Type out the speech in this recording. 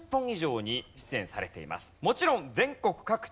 もちろん。